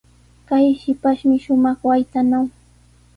Kay shipashmi shumaq waytanaw.